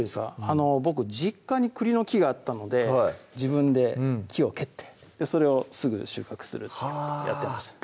あの僕実家に栗の木があったので自分で木を蹴ってそれをすぐ収穫するってやってました